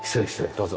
どうぞ。